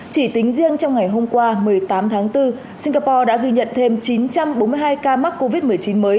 chỉ tính riêng trong ngày hôm qua một mươi tám tháng bốn singapore đã ghi nhận thêm chín trăm bốn mươi hai ca mắc covid một mươi chín mới